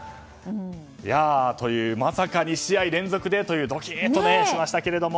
まさか２試合連続でというドキッとしましたけど